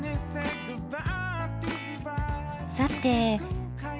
さて。